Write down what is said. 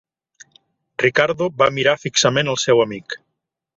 Ricardo va mirar fixament el seu amic.